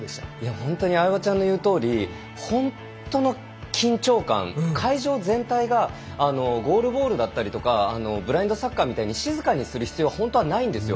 本当に相葉ちゃんのいうとおり、本当の緊張感会場全体がゴールボールだったりとかブラインドサッカーみたいに静かにする必要は本当はないんですよ。